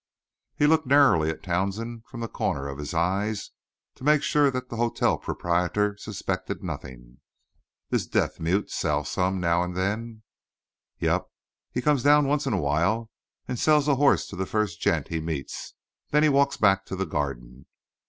He looked narrowly at Townsend from the corner of his eyes to make sure that the hotel proprietor suspected nothing. "This deaf mute sells some, now and then?" "Yep. He comes down once in a while and sells a hoss to the first gent he meets and then walks back to the garden.